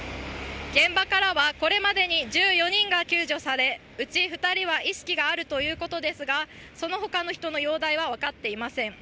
現場からはこれまでに１４人が救助され、うち２人は意識があるということですが、その他の人の容体は分かっていません。